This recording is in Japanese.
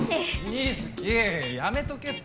瑞稀やめとけって。